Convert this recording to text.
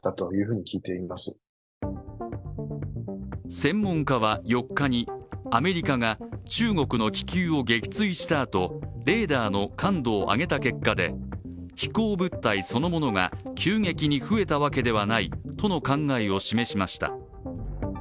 専門家は４日にアメリカが中国の気球を撃墜したあとレーダーの感度を上げた結果で飛行物体そのものが急激に増えたわけではないとの考えを示しました。